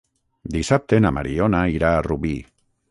Dissabte na Mariona irà a Rubí.